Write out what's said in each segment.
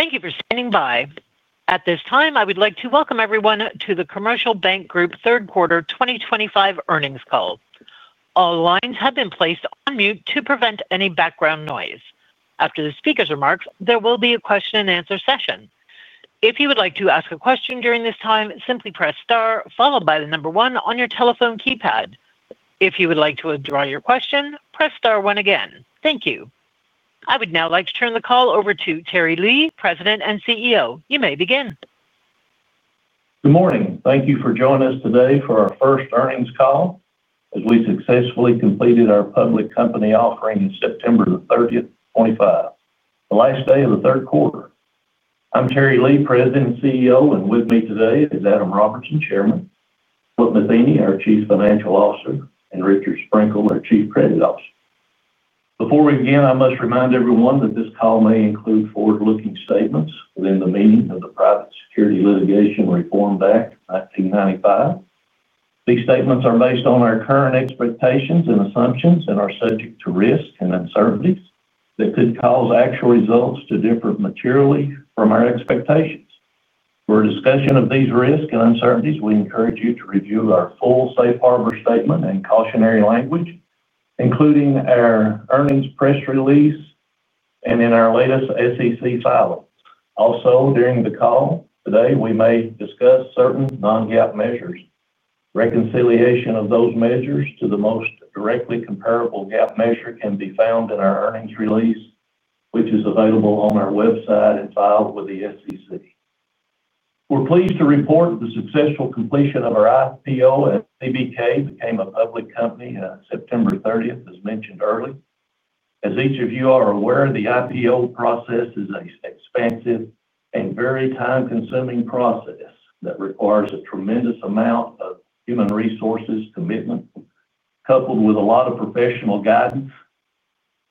Thank you for standing by. At this time, I would like to welcome everyone to the Commercial Bancgroup third quarter 2025 earnings call. All lines have been placed on mute to prevent any background noise. After the speaker's remarks, there will be a question and answer session. If you would like to ask a question during this time, simply press star, followed by the number one on your telephone keypad. If you would like to withdraw your question, press star one again. Thank you. I would now like to turn the call over to Terry Lee, President and CEO. You may begin. Good morning. Thank you for joining us today for our first earnings call, as we successfully completed our public company offering on September 30th, 2025, the last day of the third quarter. I'm Terry Lee, President and CEO, and with me today is Adam Robertson, Chairman, Philip Metheny, our Chief Financial Officer, and Richard Sprinkle, our Chief Credit Officer. Before we begin, I must remind everyone that this call may include forward-looking statements within the meaning of the Private Securities Litigation Reform Act of 1995. These statements are based on our current expectations and assumptions and are subject to risks and uncertainties that could cause actual results to differ materially from our expectations. For a discussion of these risks and uncertainties, we encourage you to review our full safe harbor statement and cautionary language, including our earnings press release and in our latest SEC filing. Also, during the call today, we may discuss certain non-GAAP measures. Reconciliation of those measures to the most directly comparable GAAP measure can be found in our earnings release, which is available on our website and filed with the SEC. We're pleased to report the successful completion of our IPO at CBK became a public company on September 30TH, as mentioned earlier. As each of you are aware, the IPO process is an expansive and very time-consuming process that requires a tremendous amount of human resources commitment, coupled with a lot of professional guidance.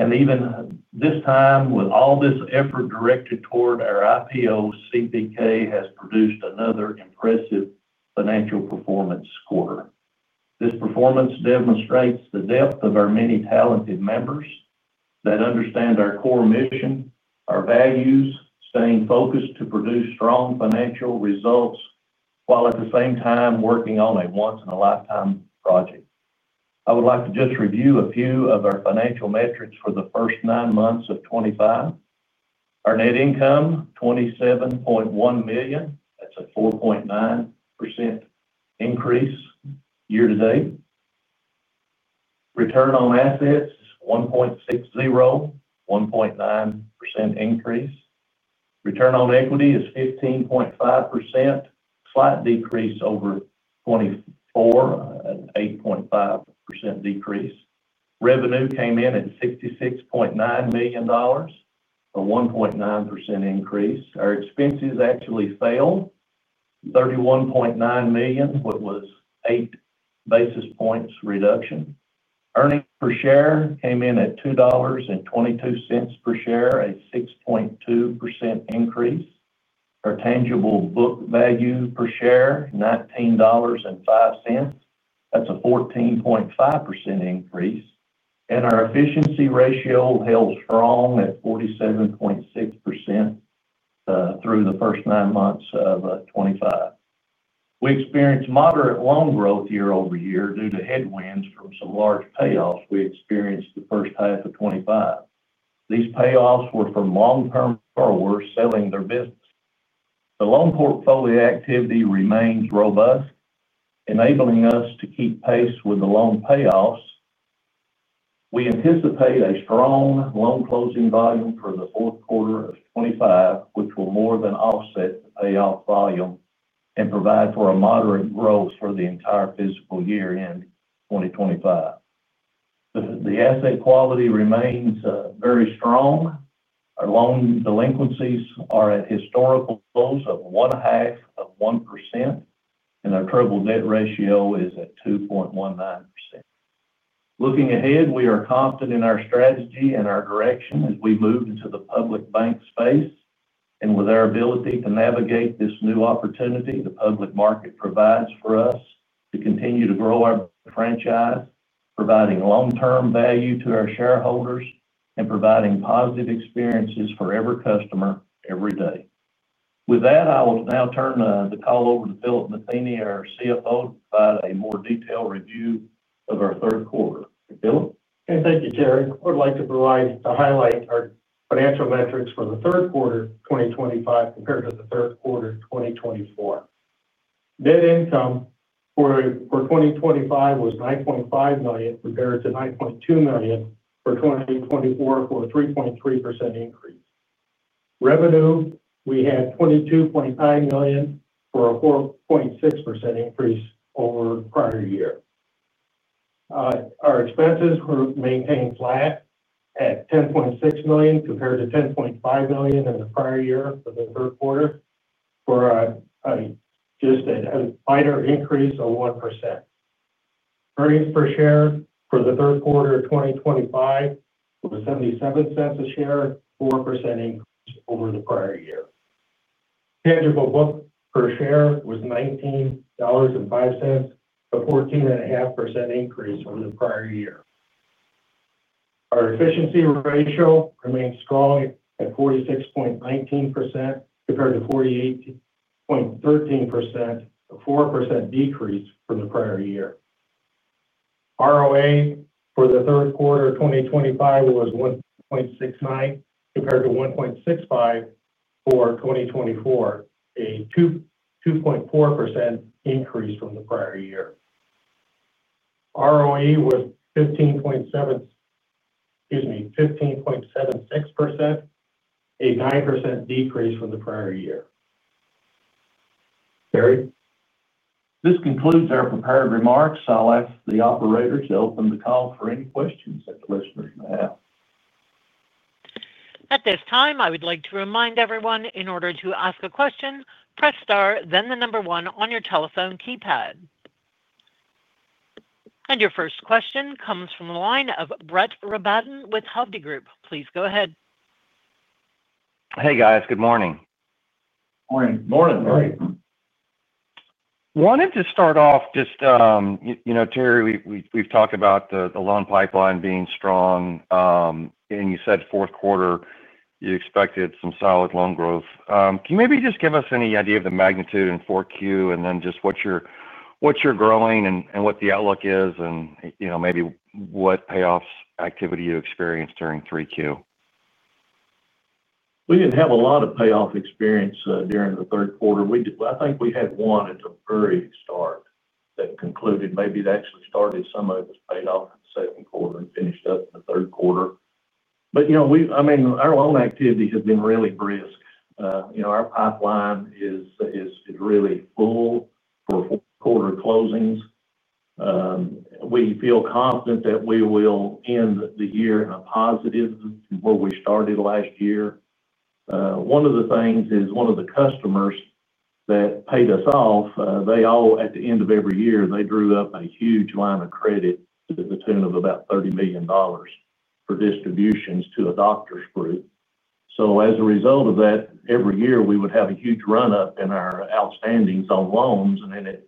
Even this time, with all this effort directed toward our IPO, CBK has produced another impressive financial performance quarter. This performance demonstrates the depth of our many talented members that understand our core mission, our values, staying focused to produce strong financial results while at the same time working on a once-in-a-lifetime project. I would like to just review a few of our financial metrics for the first nine months of 2025. Our net income, $27.1 million. That's a 4.9% increase year to date. Return on assets, 1.60%, 1.9% increase. Return on equity is 15.5%, slight decrease over 2024, an 8.5% decrease. Revenue came in at $66.9 million, a 1.9% increase. Our expenses actually fell to $31.9 million, which was an eight basis points reduction. Earnings per share came in at $2.22 per share, a 6.2% increase. Our tangible book value per share, $19.05, that's a 14.5% increase. Our efficiency ratio held strong at 47.6% through the first nine months of 2025. We experienced moderate loan growth year-over-year due to headwinds from some large payoffs we experienced the first half of 2025. These payoffs were from long-term borrowers selling their business. The loan portfolio activity remains robust, enabling us to keep pace with the loan payoffs. We anticipate a strong loan closing volume for the fourth quarter of 2025, which will more than offset the payoff volume and provide for a moderate growth for the entire fiscal year in 2025. The asset quality remains very strong. Our loan delinquencies are at historical goals of 1.5%-1%, and our total debt ratio is at 2.19%. Looking ahead, we are confident in our strategy and our direction as we move into the public bank space. With our ability to navigate this new opportunity the public market provides for us to continue to grow our franchise, providing long-term value to our shareholders and providing positive experiences for every customer every day. With that, I will now turn the call over to Philip Metheny, our CFO, to provide a more detailed review of our third quarter. Philip? Thank you, Terry. I would like to provide to highlight our financial metrics for the third quarter 2025 compared to the third quarter 2024. Net income for 2025 was $9.5 million compared to $9.2 million for 2024, for a 3.3% increase. Revenue, we had $22.9 million for a 4.6% increase over the prior year. Our expenses were maintained flat at $10.6 million compared to $10.5 million in the prior year for the third quarter, for just a minor increase of 1%. Earnings per share for the third quarter of 2025 was $0.77 a share, 4% increase over the prior year. Tangible book per share was $19.05, a 14.5% increase over the prior year. Our efficiency ratio remains strong at 46.19% compared to 48.13%, a 4% decrease from the prior year. ROA for the third quarter of 2025 was 1.69 compared to 1.65 for 2024, a 2.4% increase from the prior year. ROE was 15.76%, a 9% decrease from the prior year. Terry. This concludes our prepared remarks. I'll ask the operator to open the call for any questions that the listeners may have. At this time, I would like to remind everyone, in order to ask a question, press star, then the number one on your telephone keypad. Your first question comes from the line of Brett Rabattin with Hovde Group. Please go ahead. Hey, guys. Good morning. Morning. Morning. Wanted to start off just, you know, Terry, we've talked about the loan pipeline being strong. You said fourth quarter you expected some solid loan growth. Can you maybe just give us any idea of the magnitude in 4Q and then just what you're growing and what the outlook is, and maybe what payoffs activity you experienced during 3Q? We didn't have a lot of payoff experience during the third quarter. I think we had one at the very start that concluded. Maybe it actually started, some of it was paid off in the second quarter and finished up in the third quarter. Our loan activity has been really brisk. Our pipeline is really full for fourth quarter closings. We feel confident that we will end the year in a positive from where we started last year. One of the things is one of the customers that paid us off, they all, at the end of every year, drew up a huge line of credit to the tune of about $30 million for distributions to a doctor's group. As a result of that, every year we would have a huge run-up in our outstandings on loans, and then it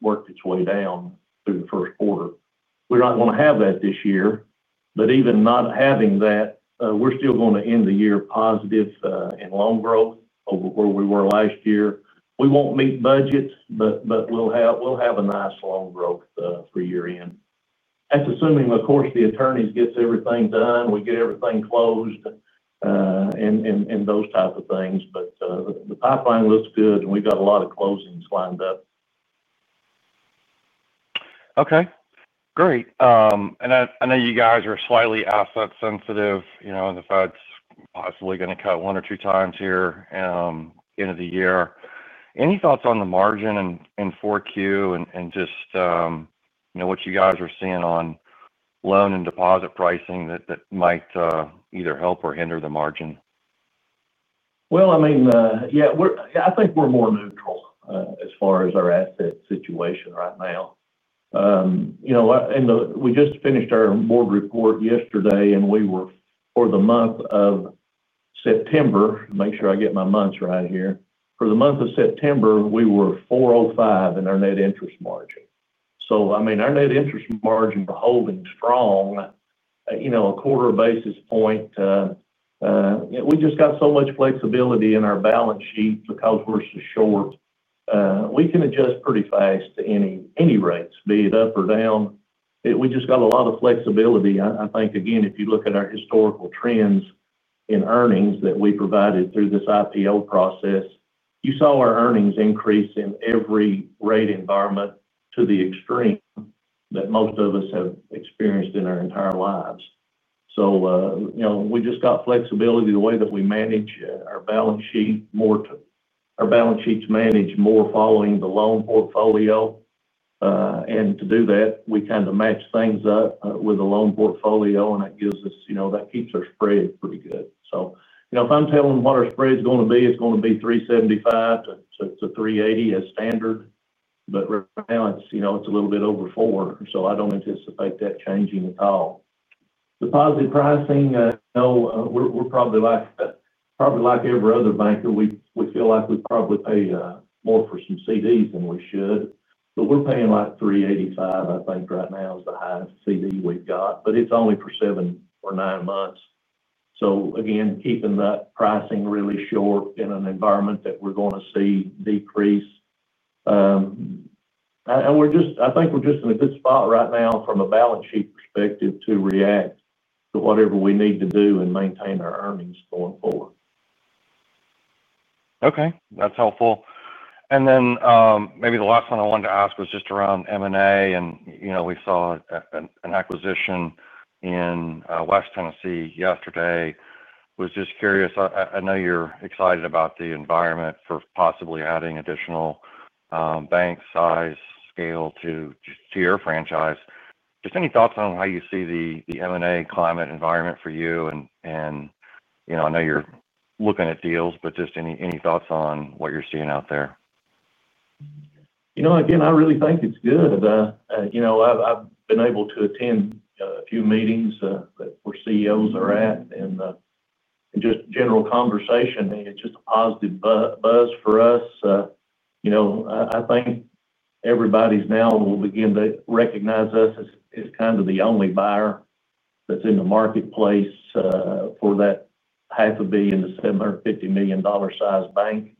worked its way down through the first quarter. We're not going to have that this year. Even not having that, we're still going to end the year positive in loan growth over where we were last year. We won't meet budget, but we'll have a nice loan growth for year-end. That's assuming, of course, the attorneys get everything done, we get everything closed, and those types of things. The pipeline looks good and we've got a lot of closings lined up. Okay. Great. I know you guys are slightly asset sensitive, you know, and the Fed's possibly going to cut one or two times here at the end of the year. Any thoughts on the margin in 4Q and just, you know, what you guys are seeing on loan and deposit pricing that might either help or hinder the margin? I think we're more neutral as far as our asset situation right now. We just finished our board report yesterday and we were, for the month of September, to make sure I get my months right here, for the month of September, we were $4.05 in our net interest margin. Our net interest margin is holding strong, a quarter of a basis point. We just got so much flexibility in our balance sheet because we're so short. We can adjust pretty fast to any rates, be it up or down. We just got a lot of flexibility. I think, again, if you look at our historical trends in earnings that we provided through this IPO process, you saw our earnings increase in every rate environment to the extreme that most of us have experienced in our entire lives. We just got flexibility the way that we manage our balance sheet more to our balance sheet to manage more following the loan portfolio. To do that, we kind of match things up with the loan portfolio and that keeps our spread pretty good. If I'm telling what our spread is going to be, it's going to be $3.75-$3.80 as standard. Right now, it's a little bit over $4. I don't anticipate that changing at all. Deposit pricing, no, we're probably like every other banker. We feel like we probably pay more for some CDs than we should. We're paying like $3.85, I think, right now is the highest CD we've got, but it's only for seven or nine months. Again, keeping that pricing really short in an environment that we're going to see decrease. We're just, I think we're just in a good spot right now from a balance sheet perspective to react to whatever we need to do and maintain our earnings going forward. Okay. That's helpful. The last one I wanted to ask was just around M&A. We saw an acquisition in West Tennessee yesterday. I was just curious, I know you're excited about the environment for possibly adding additional bank size scale to your franchise. Any thoughts on how you see the M&A climate environment for you? I know you're looking at deals, but any thoughts on what you're seeing out there? I really think it's good. I've been able to attend a few meetings where CEOs are at and just general conversation. It's just a positive buzz for us. I think everybody now will begin to recognize us as kind of the only buyer that's in the marketplace for that $500 million-$750 million size bank.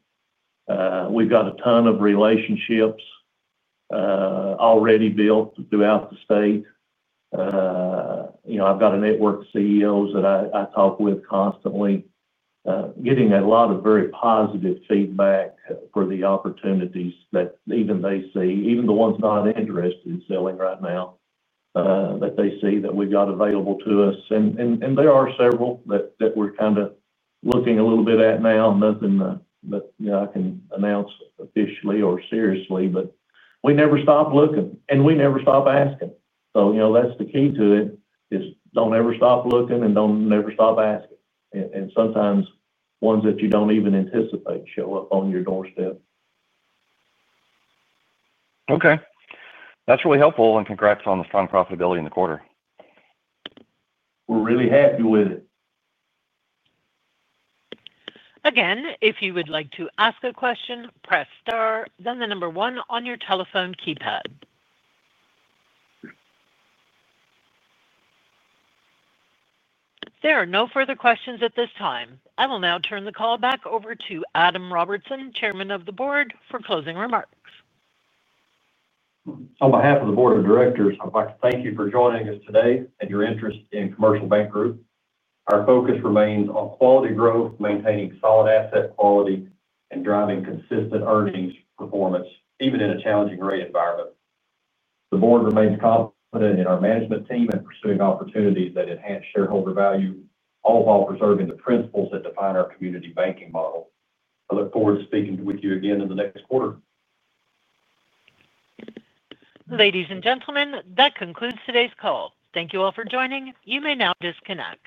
We've got a ton of relationships already built throughout the state. I've got a network of CEOs that I talk with constantly, getting a lot of very positive feedback for the opportunities that even they see, even the ones not interested in selling right now, that they see that we've got available to us. There are several that we're kind of looking a little bit at now. Nothing that I can announce officially or seriously, but we never stop looking and we never stop asking. That's the key to it, don't ever stop looking and don't ever stop asking. Sometimes ones that you don't even anticipate show up on your doorstep. Okay, that's really helpful. Congrats on the strong profitability in the quarter. We're really happy with it. Again, if you would like to ask a question, press star, then the number one on your telephone keypad. If there are no further questions at this time, I will now turn the call back over to Adam Robertson, Chairman of the Board, for closing remarks. On behalf of the Board of Directors, I'd like to thank you for joining us today and your interest in Commercial Bancgroup. Our focus remains on quality growth, maintaining solid asset quality, and driving consistent earnings performance, even in a challenging rate environment. The Board remains confident in our management team and pursuing opportunities that enhance shareholder value, all while preserving the principles that define our community banking model. I look forward to speaking with you again in the next quarter. Ladies and gentlemen, that concludes today's call. Thank you all for joining. You may now disconnect.